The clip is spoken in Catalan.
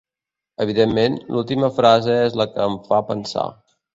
Evidentment, l’última frase és la que em fa pensar.